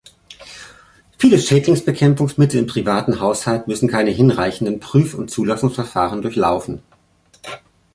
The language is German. Viele Schädlingsbekämpfungsmittel im privaten Haushalt müssen keine hinreichenden Prüf- und Zulassungsverfahren durchlaufen.